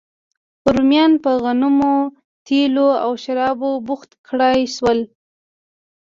رومیان په غنمو، تېلو او شرابو بوخت کړای شول